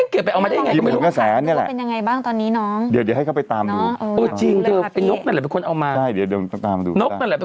ใช่ทีมขนกระแสเป็นคนเอามาเกรงเกรียดไปเอามันได้อย่างไร